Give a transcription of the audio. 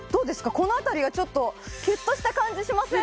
この辺りがちょっとキュッとした感じしません？